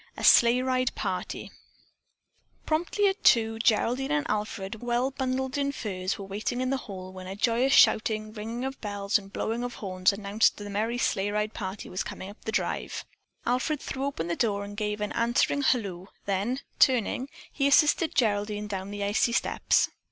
A SLEIGH RIDE PARTY Promptly at two, Geraldine and Alfred, well bundled in furs, were waiting in the hall when a joyous shouting, ringing of bells and blowing of horns announced that the merry sleigh ride party was coming up the drive. Alfred threw open the door and gave an answering halloo, then, turning, he assisted Geraldine down the icy steps.